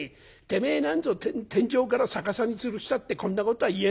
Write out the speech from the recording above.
てめえなんぞ天井から逆さにつるしたってこんなことは言えねえだろう！」。